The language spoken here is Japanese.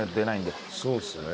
そうですね。